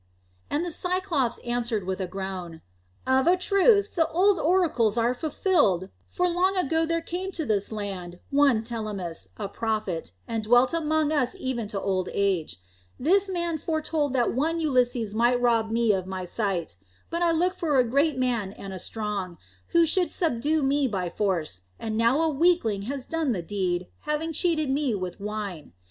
And the Cyclops answered with a groan, "Of a truth, the old oracles are fulfilled, for long ago there came to this land one Telemus, a prophet, and dwelt among us even to old age. This man foretold me that one Ulysses would rob me of my sight. But I looked for a great man and a strong, who should subdue me by force, and now a weakling has done the deed, having cheated me with wine.